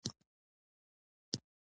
مازدیګر مدینې هغه ښار ته ورسېدو.